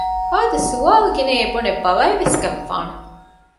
ހާދަ ސުވާލުގިނައޭ ބުނެ ބަވައިވެސް ގެންފާނެ